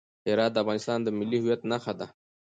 هرات د افغانستان د ملي هویت نښه ده.